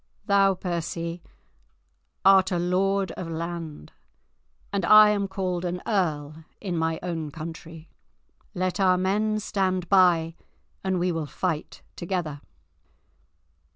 Thou, Percy, art a lord of land, and I am called an earl in my country; let our men stand by, and we will fight together."